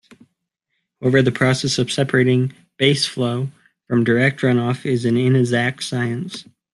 However, the process of separating "baseflow" from "direct runoff" is an inexact science.